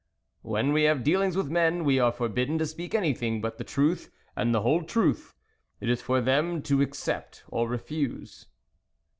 " When we have dealings with men, we are forbidden to speak anything but the truth, and the whole truth ; it is for them to accept or refuse."